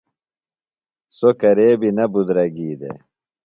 سوۡ کرے بیۡ نہ بِدرَگی دےۡ۔